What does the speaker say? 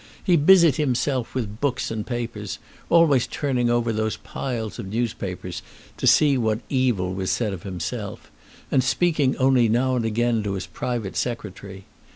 He busied himself with books and papers, always turning over those piles of newspapers to see what evil was said of himself, and speaking only now and again to his private Secretary.